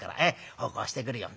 奉公してくるよ」。